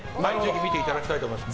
見ていただきたいと思います。